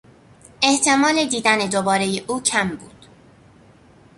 احتمال دیدن دوبارهی او کم بود.